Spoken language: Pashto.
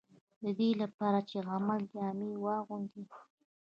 د دې لپاره چې د عمل جامه واغوندي.